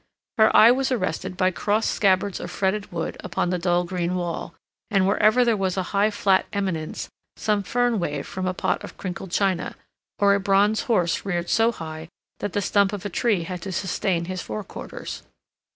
Her eye was arrested by crossed scabbards of fretted wood upon the dull green wall, and wherever there was a high flat eminence, some fern waved from a pot of crinkled china, or a bronze horse reared so high that the stump of a tree had to sustain his forequarters.